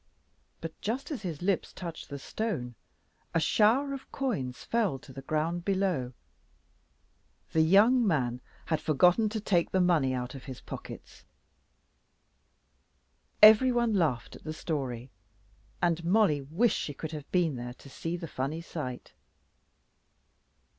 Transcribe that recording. But, just as his lips touched the stone, a shower of coins fell to the ground below. The young man had forgotten to take the money out of his pockets. Every one laughed at the story, and Mollie wished she could have been there to see the funny sight.